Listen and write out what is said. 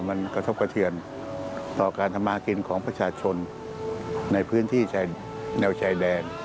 มันกระทบกระเทือนต่อการทำมากินของประชาชนในพื้นที่ชายแนวชายแดน